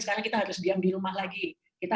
sekarang kita harus diam di rumah lagi